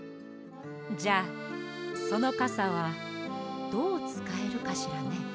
じゃあそのカサはどうつかえるかしらね。